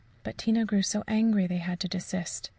But Tina grew so angry they had to desist.